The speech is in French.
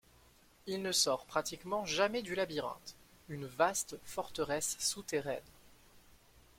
Il ne sort pratiquement jamais du Labyrinthe, une vaste forteresse souterraine.